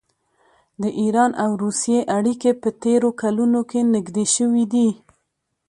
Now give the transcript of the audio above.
د ایران او روسیې اړیکې په تېرو کلونو کې نږدې شوي دي.